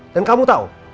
dan kamu tau